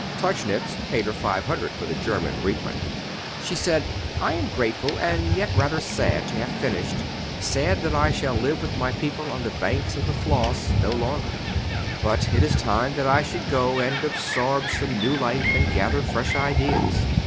Tauchnitz paid her five hundred for the German reprint. She said: "I am grateful and yet rather sad to have finished; sad that I shall live with my people on the banks of the Floss no longer. But it is time that I should go, and absorb some new life and gather fresh ideas."